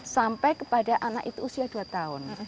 sampai kepada anak itu usia dua tahun